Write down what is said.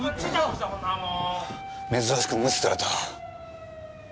珍しく無視された。